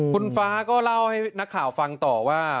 คุณฟ้าก็เล่าให้นักข่าวฟังต่อว่า